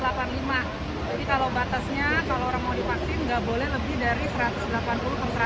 jadi kalau batasnya kalau orang mau divaksin nggak boleh lebih dari satu ratus delapan puluh per seratus